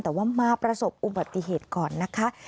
แต่ว่ามาประสบอุบัติเหตุก่อนนะคะ